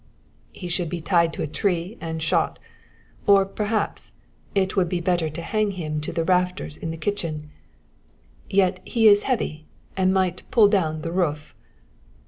"He should be tied to a tree and shot; or, perhaps, it would be better to hang him to the rafters in the kitchen. Yet he is heavy and might pull down the roof."